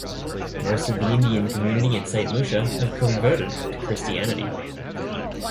Most of the Indian community in Saint Lucia have converted to Christianity.